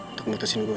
untuk memutusin gue